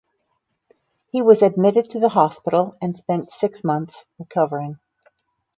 He was admitted to the hospital and spent six months recovering.